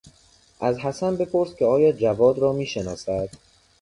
از حسن بپرس که آیا جواد را میشناسد.